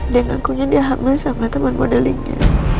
dia ngangkuknya dia hamil sama temen modelingnya